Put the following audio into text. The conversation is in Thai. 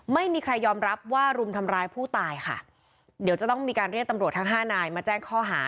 ไม่มีใครยอมรับว่ารุมทำร้ายผู้ตายค่ะเดี๋ยวจะต้องมีการเรียกตำรวจทั้งห้านายมาแจ้งข้อหา